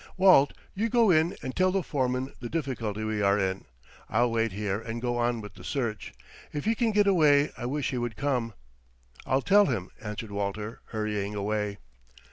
"Walt, you go in and tell the foreman the difficulty we are in. I'll wait here and go on with the search. If he can get away I wish he would come." "I'll tell him," answered Walter, hurrying away.